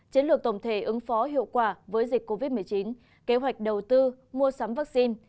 chiến lược tổng thể ứng phó hiệu quả với dịch covid một mươi chín kế hoạch đầu tư mua sắm vaccine